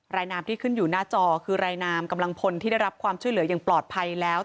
นามที่ขึ้นอยู่หน้าจอคือรายนามกำลังพลที่ได้รับความช่วยเหลืออย่างปลอดภัยแล้ว